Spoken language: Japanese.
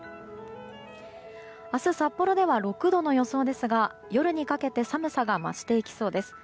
明日、札幌では６度の予想ですが夜にかけて寒さが増していきそうです。